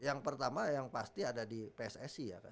yang pertama yang pasti ada di pssi ya kan